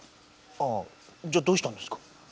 ああじゃあどうしたんですか？